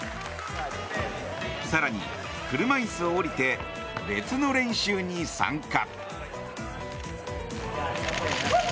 更に、車いすを降りて別の練習に参加。